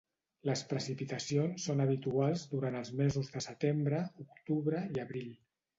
Les precipitacions són habituals durant els mesos de setembre, octubre i abril.